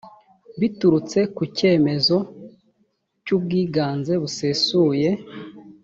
biturutse ku cyemezo cy ubwiganze busesuye